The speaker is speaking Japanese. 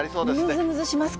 むずむずしますか。